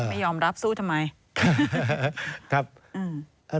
ไม่ยอมรับสู้ทำไม